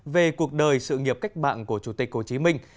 về cuộc đời sự nghiệp cách mạng của chủ tịch hồ chí minh